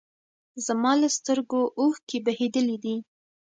زما له سترګو اوښکې بهېدلي دي